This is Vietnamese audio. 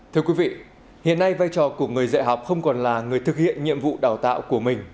thưa quý vị hiện nay vai trò của người dạy học không còn là người thực hiện nhiệm vụ đào tạo của mình